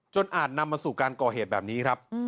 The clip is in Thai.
อาจนำมาสู่การก่อเหตุแบบนี้ครับ